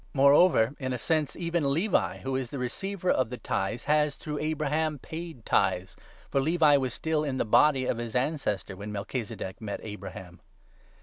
Moreover, in a sense, even Levi, who is the receiver of the 9 tithes, has, through Abraham, paid tithes ; for Levi was still 10 in the body of his ancestor when Melchizedek met Abraham.